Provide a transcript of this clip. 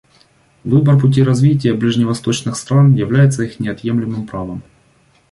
Выбор пути развития ближневосточных стран является их неотъемлемым правом.